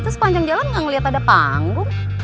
terus sepanjang jalan gak ngeliat ada panggung